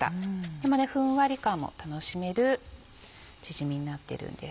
でもふんわり感も楽しめるチヂミになってるんです。